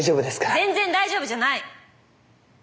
全然大丈夫じゃない！